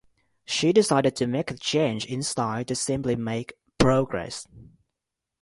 She decided to make the change in style to simply make "progress".